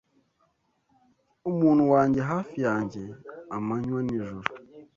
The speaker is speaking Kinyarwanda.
UMUNTU WANJYE hafi yanjye amanywa n'ijoro